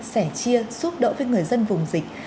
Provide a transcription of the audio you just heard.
sẻ chia giúp đỡ với người dân vùng dịch